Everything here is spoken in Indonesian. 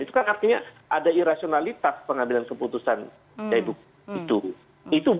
itu kan artinya ada irasionalitas pengambilan keputusan pindah ibu kota itu